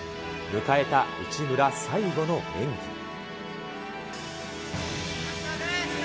迎えた内村、最後の演技。